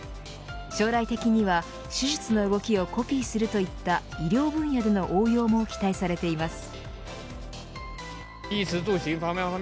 将来的には手術の動きをコピーするといった医療分野での応用も期待されています。